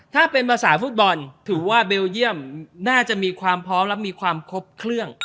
ถ้าเป็นภาษาฟุตบอลถือว่าเบลเยี่ยมน่าจะมีความพร้อมและมีความครบเครื่อง